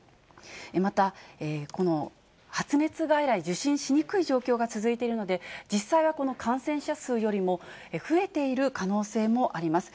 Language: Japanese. またこの発熱外来、受診しにくい状況が続いているので、実際はこの感染者数よりも増えている可能性もあります。